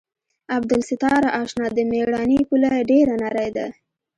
عبدالستاره اشنا د مېړانې پوله ډېره نرۍ ده.